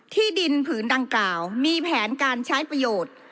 ที่ดินผืนดังกล่าวมีแผนการใช้ประโยชน์